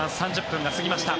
３０分が過ぎました。